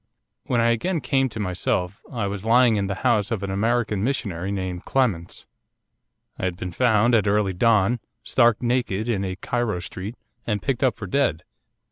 'When I again came to myself I was lying in the house of an American missionary named Clements. I had been found, at early dawn, stark naked, in a Cairo street, and picked up for dead.